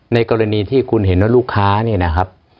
ในกรณีที่คุณเห็นว่าลูกค้าเนี่ยนะครับ